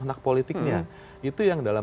anak politiknya itu yang dalam